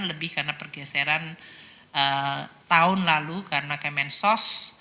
lebih karena pergeseran tahun lalu karena kemensos